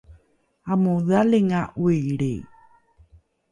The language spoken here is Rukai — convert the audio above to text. amodhalinga ’oilri